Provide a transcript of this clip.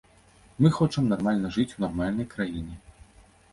Мы хочам нармальна жыць у нармальнай краіне.